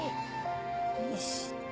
よし。